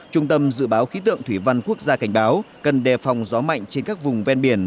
trung tâm dự báo khí tượng thủy văn quốc gia cảnh báo cần đề phòng gió mạnh trên các vùng ven biển